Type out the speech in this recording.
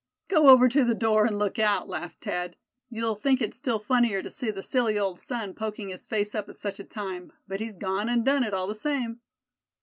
"Go over to the door, and look out," laughed Thad. "You'll think it still funnier to see the silly old sun poking his face up at such a time; but he's gone and done it, all the same."